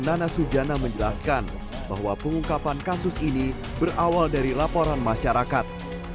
nana sujana menjelaskan bahwa pengungkapan kasus ini berawal dari laporan masyarakat